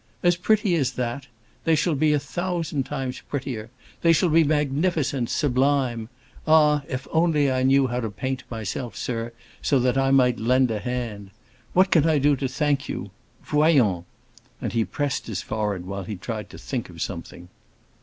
"As pretty as that? They shall be a thousand times prettier—they shall be magnificent, sublime. Ah, if I only knew how to paint, myself, sir, so that I might lend a hand! What can I do to thank you? Voyons!" And he pressed his forehead while he tried to think of something.